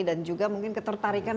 dan juga mungkin ketertarikan